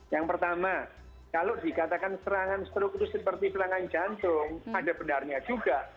yang pertama kalau dikatakan serangan struk itu seperti serangan jantung ada benarnya juga